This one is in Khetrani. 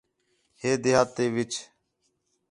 ہے دیہات تے وِچ